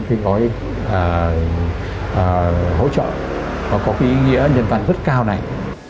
tại nên khi gọi hỗ trợ có ý nghĩa nhân vật rất cao này